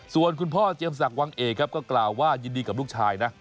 ส่วนคุณพ่อเจียมศักดิวังเอกครับก็กล่าวว่ายินดีกับลูกชายนะ